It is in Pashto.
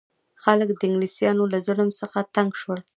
خلک د انګلیسانو له ظلم څخه تنګ شول.